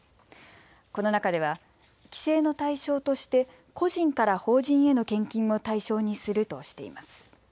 この中では規制の対象として個人から法人への献金を対象にするとしています。